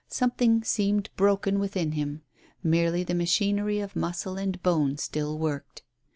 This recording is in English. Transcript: Something seemed broken within him ; merely the machinery of muscle and bone still worked.